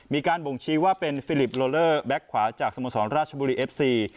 มีการบ่งชี้ว่าเป็นฟิลิปโลเลอร์แบ็คขวาจากสโมสรราชบุรีเอฟซี